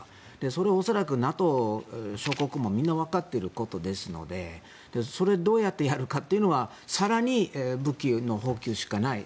それ、恐らくＮＡＴＯ諸国もみんなわかっていることですのでそれ、どうやってやるかっていうのは更に武器の補給しかない。